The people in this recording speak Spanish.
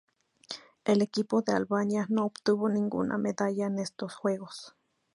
El equipo de Albania no obtuvo ninguna medalla en estos Juegos.